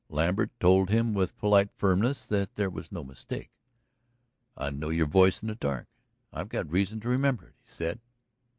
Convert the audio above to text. Lambert told him with polite firmness that there was no mistake. "I'd know your voice in the dark I've got reason to remember it," he said.